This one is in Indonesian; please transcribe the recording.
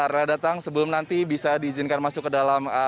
rela datang sebelum nanti bisa diizinkan masuk ke dalam